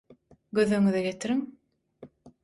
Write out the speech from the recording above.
Göz öňüňize getiriň